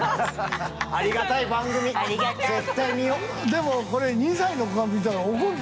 でもこれ２歳の子が見たら怒るよ。